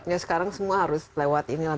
ya sekarang semua harus lewat inilah